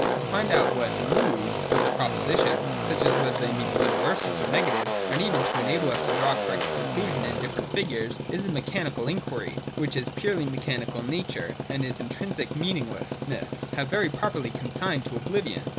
— But to find out what ' moods ' of the propositions (such as whether they may be universals, or negatives) are needed to enable us to draw a correct conclusion in the different figures, is a mechanical inquiry, which its purely mechanical nature and its intrinsic meaninglessness have very properly consigned to obHvion.